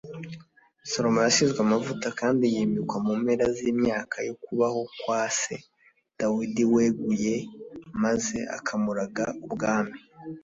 salomo yasizwe amavuta kandi yimikwa mu mpera z’imyaka yo kubaho kwa se dawidi weguye maze akamuraga ubwami.